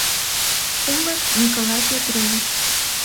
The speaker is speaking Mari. — Улыт, Николай Петрович.